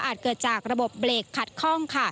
อาจเกิดจากระบบเบรกขัดคล่อง